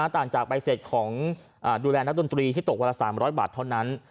ต่างจากใบเสร็จของดูแลนักดนตรีที่ตกวันละ๓๐๐บาทเท่านั้น